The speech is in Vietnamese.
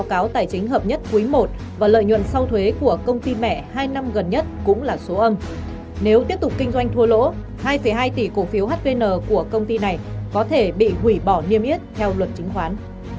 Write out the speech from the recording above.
các tỷ cổ phiếu hvn của công ty này có thể bị hủy bỏ niêm yết theo luật chính khoán